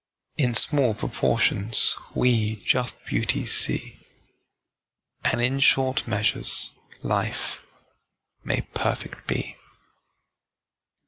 In small proportions we just beauties see; And in short measures life may perfect be.